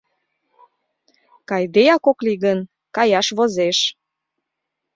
Кайдеак ок лий гын, каяш возеш.